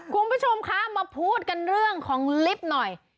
คุณผู้ชมคะมาพูดกันเรื่องของลิฟต์หน่อย